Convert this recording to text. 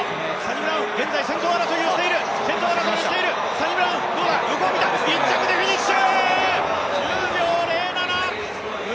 サニブラウン、１着でフィニッシュ！